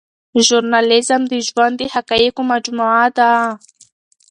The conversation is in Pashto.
ژورنالیزم د ژوند د حقایقو مجموعه ده.